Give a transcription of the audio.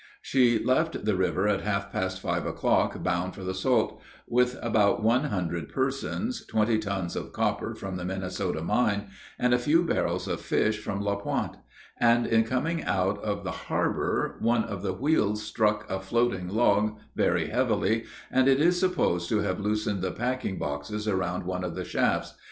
She left the river at half past five o'clock bound for the Sault, with about one hundred persons, twenty tons of copper from the Minnesota mine, and a few barrels of fish from La Pointe, and in coming out of the harbor one of the wheels struck a floating log very heavily, and it is supposed to have loosened the packing boxes around one of the shafts.